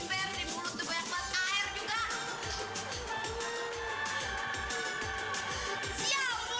bacet kamu apa sih